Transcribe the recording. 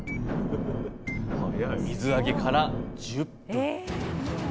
水揚げから１０分。